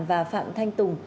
và phạm thanh tùng